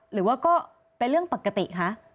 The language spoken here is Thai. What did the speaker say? หรือว่าก็เป็นเรื่องปกติคะ